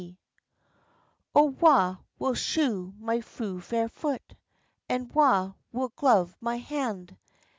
p. 220.) "O WHA will shoe my fu' fair foot? And wha will glove my hand?